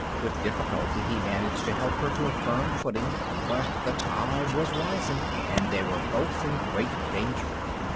With difficulty he managed to help her to a firm footing, but the tide was rising, and they were both in great danger.